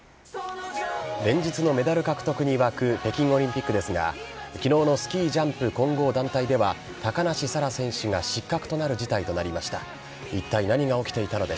連日のメダル獲得に沸く北京オリンピックですが、きのうのスキージャンプ混合団体では、高梨沙羅選手が失格となる事態となりました。